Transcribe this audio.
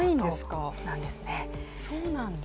そうなんだ。